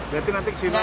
nanti nanti kesini lagi